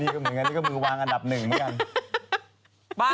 นี่ก็เหมือนกันนี่ก็มือวางอันดับหนึ่งเหมือนกัน